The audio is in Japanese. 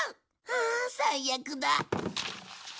ああ最悪だ。